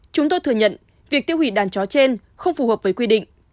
chúng tôi thừa nhận việc tiêu hủy đàn chó trên không phù hợp với quy định